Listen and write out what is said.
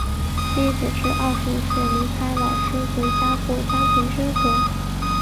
弟子至二十五岁离开老师回家过家庭生活。